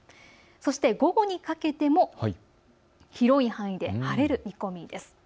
そして午後にかけても広い範囲で晴れる見込みです。